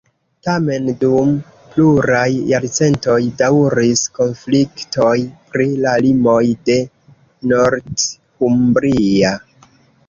Tamen dum pluraj jarcentoj daŭris konfliktoj pri la limoj de Northumbria.